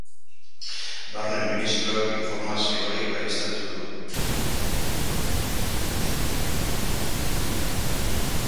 Barne ministroak informazio hori baieztatu du.